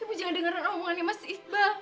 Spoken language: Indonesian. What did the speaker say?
ibu jangan dengarin omongannya mas iba